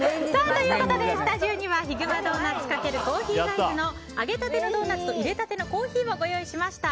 ということでスタジオにはヒグマドーナツ×コーヒーライツの揚げたてのドーナツといれたてのコーヒーをご用意しました。